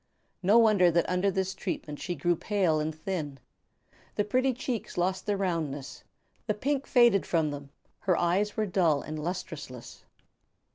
No wonder that under this treatment she grew pale and thin. The pretty cheeks lost their roundness, the pink faded from them, her eyes were dull and lustreless.